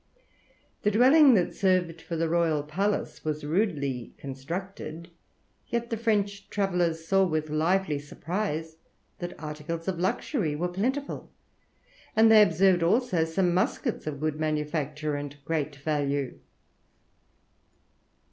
The dwelling that served for the royal palace was rudely constructed, yet the French travellers saw with lively surprise that articles of luxury were plentiful, and they observed also some muskets of good manufacture and great value.